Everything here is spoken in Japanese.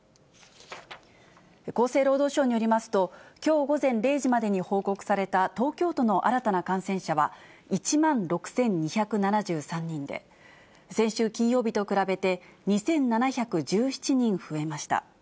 厚生労働省によりますと、きょう午前０時までに報告された東京都の新たな感染者は、１万６２７３人で、先週金曜日と比べて２７１７人増えました。